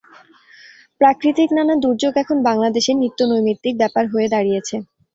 প্রাকৃতিক নানা দুর্যোগ এখন বাংলাদেশে নিত্য নৈমিত্তিক ব্যাপার হয়ে দাঁড়িয়েছে।